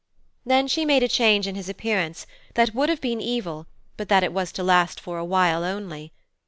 Then she made a change in his appearance that would have been evil but that it was to last for a while only.